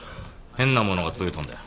変なものが届いたんだよ。